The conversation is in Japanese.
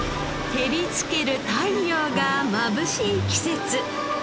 照りつける太陽がまぶしい季節。